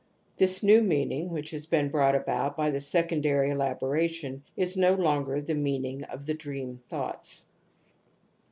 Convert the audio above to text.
This new meaning which has been brought about by the secondary elaboration is no longer the meaning of the dream thoughts.